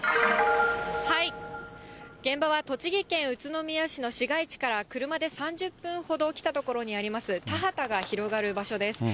現場は、栃木県宇都宮市の市街地から車で３０分ほど来た所にあります、田畑が広がる場所です。